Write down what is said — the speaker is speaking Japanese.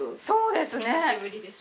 そうですね。